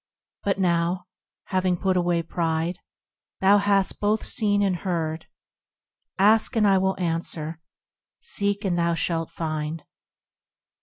But now, having put away pride, thou hast both seen and heard. Ask, and I will answer ; Seek, and thou shalt find.